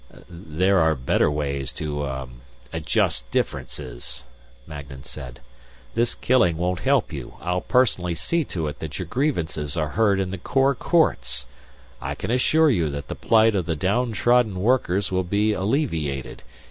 "There are better ways to, uh, adjust differences," Magnan said. "This killing won't help you, I'll personally see to it that your grievances are heard in the Corps Courts. I can assure you that the plight of the downtrodden workers will be alleviated.